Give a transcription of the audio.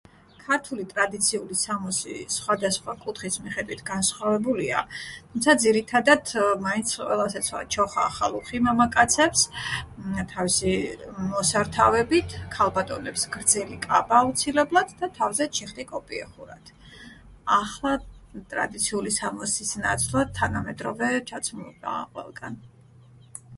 ქართული ტრადიციული სამოსი სხვადასხვა კუთხის მიხედვით განსხვავებულია, თუმცა ძირითადად მაინც ყველას ეცვა, ჩოხა-ახალუხი მამაკაცებს თავისი მოსართავებით, ქალბატონებს გრძელი კაბა აუცილებლად და თავზე ჩიხტიკოპი ეხურათ. ახლა ტრადიციული სამოსის ნაცვლად თანამედროვე ჩაცმულობაა ყველგან.